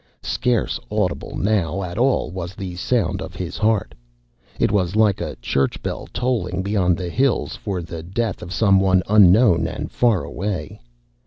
Scarce audible now at all was the sound of his heart: it was like a church bell tolling beyond hills for the death of some one unknown and far away.